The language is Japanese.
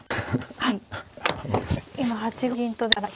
はい。